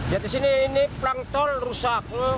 ya disini ini pelang tol rusak